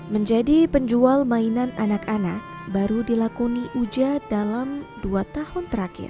menjadi penjual mainan anak anak baru dilakoni uja dalam dua tahun terakhir